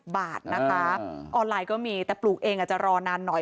บาทนะคะออนไลน์ก็มีแต่ปลูกเองอาจจะรอนานหน่อย